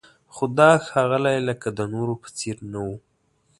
خو دا ښاغلی لکه د نورو په څېر نه و.